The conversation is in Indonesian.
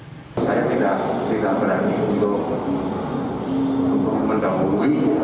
saya tidak berani untuk mendahului karena nanti keputusan itu yang akan diaduk oleh seluruh provinsi